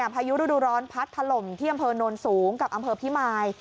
พายุฤดูร้อนพัดถล่มที่อำเภอโนนสูงกับอำเภอพิมาย